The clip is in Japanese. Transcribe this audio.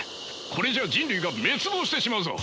これじゃあ人類が滅亡してしまうぞ。